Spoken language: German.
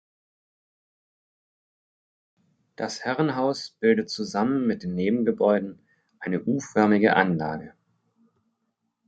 Das Herrenhaus bildet zusammen mit den Nebengebäuden eine u-förmige Anlage.